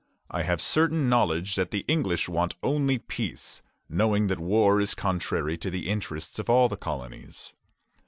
I have certain knowledge that the English want only peace, knowing that war is contrary to the interests of all the colonies.